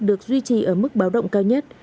được duy trì ở mức báo động cao nhất